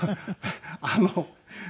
あの。